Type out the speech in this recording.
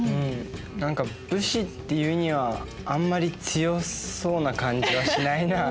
何か武士っていうにはあんまり強そうな感じはしないな。